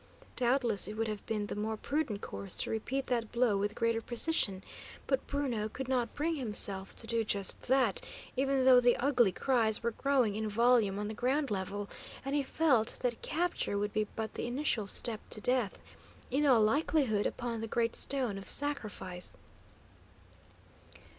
Doubtless it would have been the more prudent course to repeat that blow with greater precision; but Bruno could not bring himself to do just that, even though the ugly cries were growing in volume on the ground level; and he felt that capture would be but the initial step to death, in all likelihood upon the great stone of sacrifice.